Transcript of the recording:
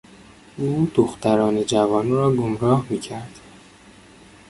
او دختران جوان را گمراه میکرد.